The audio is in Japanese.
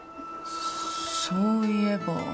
そういえば。